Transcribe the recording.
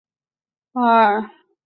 三城的一个地区。